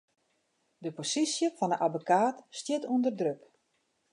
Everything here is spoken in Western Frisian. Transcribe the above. De posysje fan 'e abbekaat stiet ûnder druk.